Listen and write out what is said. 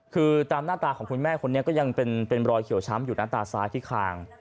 คือตามหน้าตาของคุณแม่คนนี้ก็ยังเป็นรอยเขียวช้ำอยู่หน้าตาซ้ายที่คาง